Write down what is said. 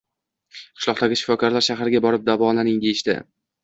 Qishloqdagi shifokorlar, shaharga borib davolaning, deyishdi